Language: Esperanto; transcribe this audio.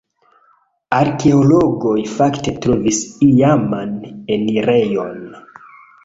Arkeologoj fakte trovis iaman enirejon.